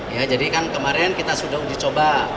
ya jadi kan kemarin kita sudah uji coba